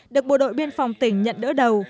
được bộ đội biên phòng tỉnh nhận đỡ đầu